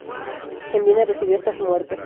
En Viena residió hasta su muerte.